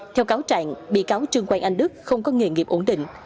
theo cáo trạng bị cáo trương quang anh đức không có nghề nghiệp ổn định